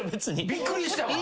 びっくりしたわ。